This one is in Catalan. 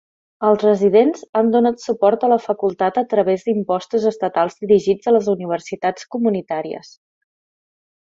Els residents han donat suport a la facultat a través d'impostos estatals dirigits a les universitats comunitàries.